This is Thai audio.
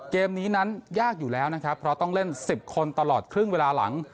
เกมนี้นั้นยากอยู่แล้วนะครับเพราะต้องเล่น๑๐คนตลอดครึ่งเวลาหลัง